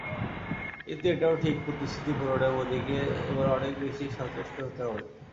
কিন্তু এটাও ঠিক, প্রতিশ্রুতি পূরণে মোদিকে এবার অনেক বেশি সচেষ্টহতে হবে।